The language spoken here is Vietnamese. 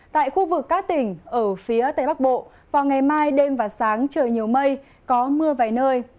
tại khu vực các tỉnh ở phía tây bắc bộ vào ngày mai đêm và sáng trời nhiều mây có mưa vài nơi